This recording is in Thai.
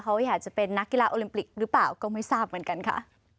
เขาอยากจะเป็นนักกีฬาโอลิมปิกหรือเปล่าก็ไม่ทราบเหมือนกันค่ะ